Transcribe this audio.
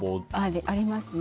ありますね。